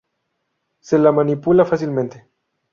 Se la manipula fácilmente.